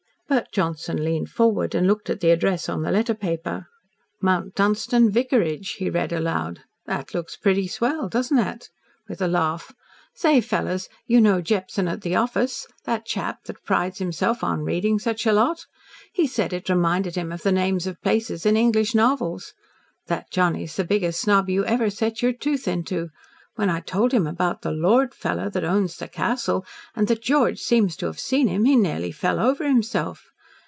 Bert Johnson leaned forward, and looked at the address on the letter paper. "Mount Dunstan Vicarage," he read aloud. "That looks pretty swell, doesn't it?" with a laugh. "Say, fellows, you know Jepson at the office, the chap that prides himself on reading such a lot? He said it reminded him of the names of places in English novels. That Johnny's the biggest snob you ever set your tooth into. When I told him about the lord fellow that owns the castle, and that George seemed to have seen him, he nearly fell over himself.